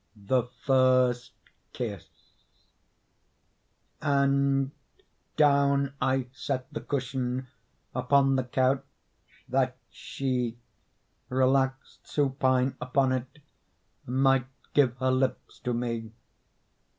THE FIRST KISS And down I set the cushion Upon the couch that she, Relaxed supine upon it, Might give her lips to me.